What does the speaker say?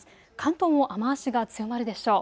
関東も雨足が強まるでしょう。